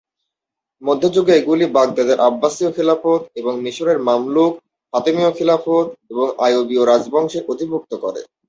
মধ্য যুগে এগুলি বাগদাদের আব্বাসীয় খিলাফত এবং মিশরের মামলুক, ফাতেমীয় খিলাফত এবং আইয়ুবীয় রাজবংশের অধিভুক্ত করে।